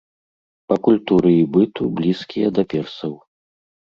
Па культуры і быту блізкія да персаў.